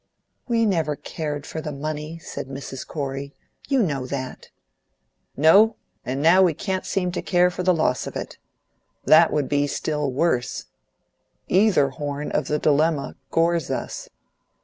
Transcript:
"We never cared for the money," said Mrs. Corey. "You know that." "No; and now we can't seem to care for the loss of it. That would be still worse. Either horn of the dilemma gores us.